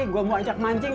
gue mau ajak mancing